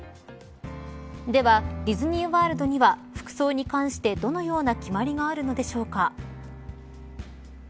では、ディズニー・ワールドには服装に関してどのような決まりがあるのでしょうか。